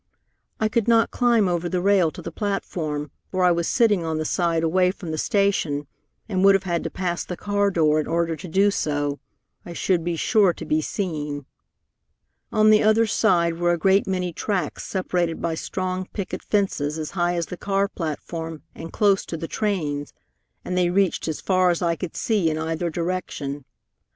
I could not climb over the rail to the platform, for I was sitting on the side away from the station, and would have had to pass the car door in order to do so. I should be sure to be seen. "On the other side were a great many tracks separated by strong picket fences as high as the car platform and close to the trains, and they reached as far as I could see in either direction.